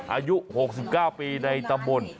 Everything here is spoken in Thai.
อายุหกสิบก้าวปีในตำบล